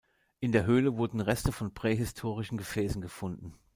In der Höhle wurden Reste von prähistorischen Gefäßen gefunden.